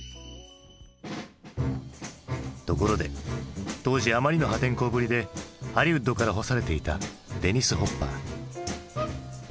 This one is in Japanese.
ところで当時あまりの破天荒ぶりでハリウッドから干されていたデニス・ホッパー。